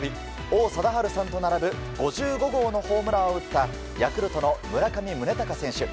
王貞治さんと並ぶ５５号のホームランを打ったヤクルトの村上宗隆選手。